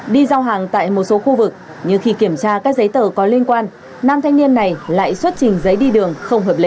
đi giao hàng tại một số khu vực nhưng khi kiểm tra các giấy tờ có liên quan nam thanh niên này lại xuất trình giấy đi đường không hợp lệ